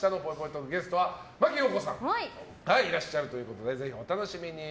トークゲストは真木よう子さんがいらっしゃるということでぜひお楽しみに。